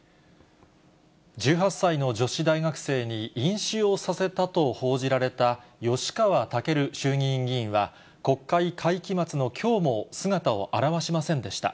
１８歳の女子大学生に飲酒をさせたと報じられた吉川赳衆議院議員は、国会会期末のきょうも姿を現しませんでした。